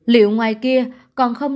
liệu ngoài kia còn không